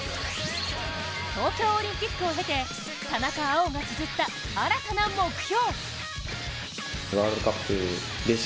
東京オリンピックを経て田中碧がつづった新たな目標。